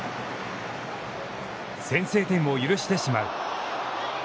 先制点を許してしまう。